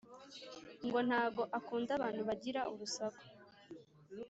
ngo ntago akunda abantu bagira urusaku